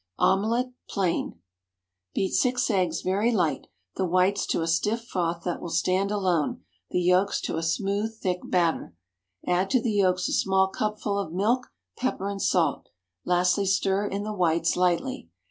OMELETTE (plain). ✠ Beat six eggs very light, the whites to a stiff froth that will stand alone, the yolks to a smooth thick batter. Add to the yolks a small cupful of milk, pepper, and salt; lastly stir in the whites lightly.